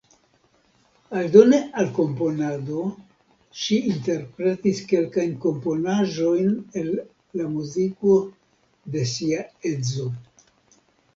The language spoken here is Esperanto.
Aldone al komponado ŝi interpretis kelkajn komponaĵojn el la muziko de sia edzo.